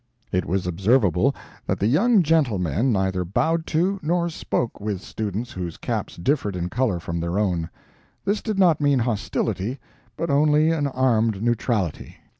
It was observable that the young gentlemen neither bowed to nor spoke with students whose caps differed in color from their own. This did not mean hostility, but only an armed neutrality.